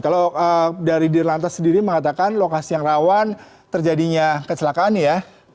kalau dari dirlantas sendiri mengatakan lokasi yang rawan terjadinya kecelakaan ya